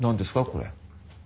これ。